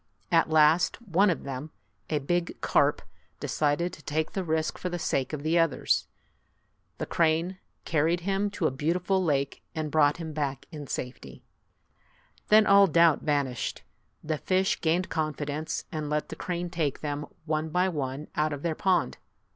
At last, one of them, a big carp, decided to take the risk for the sake of the others. The crane carried him to a beautiful lake and brought him back in safety. Then all doubt vanished. The fish gained confidence, and let the crane take them one by one out of their pond.